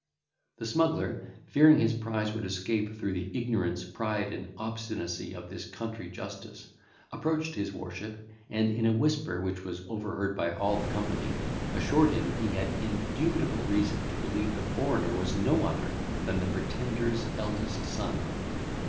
The smuggler, fearing his prize would escape through the ignorance, pride, and obstinacy of this country justice, approached his worship, and in a whisper which was overheard by all the company, assured him he had indubitable reason to believe the foreigner was no other than the Pretender's eldest son.